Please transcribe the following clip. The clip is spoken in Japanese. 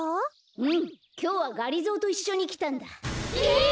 うんきょうはがりぞーといっしょにきたんだ。え！？